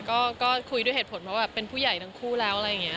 ก็คุยด้วยเหตุผลว่าแบบเป็นผู้ใหญ่ทั้งคู่แล้วอะไรอย่างนี้